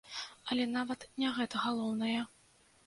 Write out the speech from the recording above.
Але нават не гэта галоўнае.